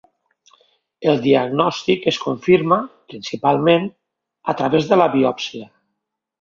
El diagnòstic es confirma, principalment, a través de la biòpsia.